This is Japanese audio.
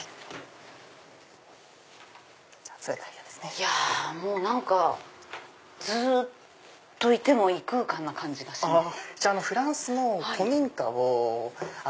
いやもう何かずっといても異空間な感じがします。